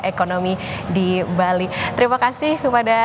ekonomi di bali terima kasih kepada